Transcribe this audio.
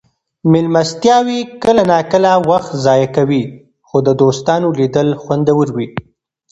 مېلمستیاوې کله ناکله وخت ضایع کوي خو د دوستانو لیدل خوندور وي.